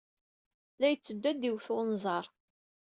La yetteddu ad d-iwet unẓar.